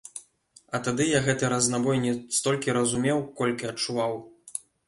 А тады я гэты разнабой не столькі разумеў, колькі адчуваў.